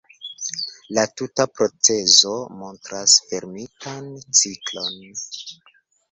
La tuta procezo montras fermitan ciklon.